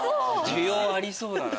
需要ありそうだな。